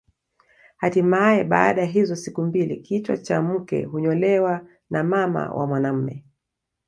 Hatimae baada ya hizo siku mbili kichwa cha mke hunyolewa na mama wa mwanaume